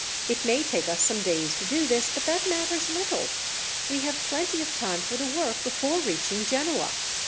It may take us some days to do this, but that matters little. We have plenty of time for the work before reaching Genoa.